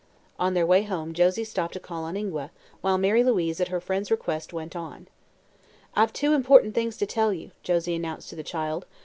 On their way home Josie stopped to call on Ingua, while Mary Louise, at her friend's request, went on. "I've two important things to tell you," Josie announced to the child.